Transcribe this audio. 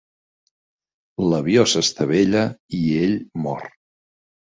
L'avió s'estavella i ell mor.